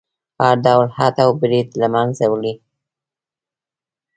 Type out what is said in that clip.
هر ډول حد او برید له منځه وړي.